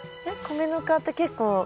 米ぬかって結構。